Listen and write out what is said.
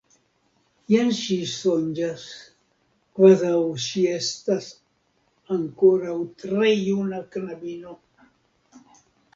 Jen ŝi sonĝas, kvazaŭ ŝi estas ankoraŭ tre juna knabino.